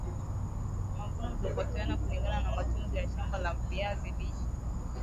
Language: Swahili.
mavuno hutofautiana kulingana matunzo ya shamba la viazi lishe